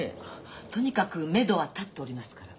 とにかくめどは立っておりますから。